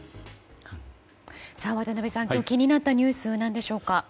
渡辺さん、今日気になったニュースは何でしょうか。